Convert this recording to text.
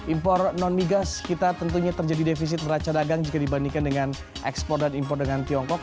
impor non migas kita tentunya terjadi defisit neraca dagang jika dibandingkan dengan ekspor dan impor dengan tiongkok